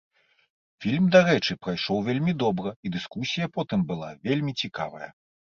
Фільм, дарэчы, прайшоў вельмі добра і дыскусія потым была вельмі цікавая.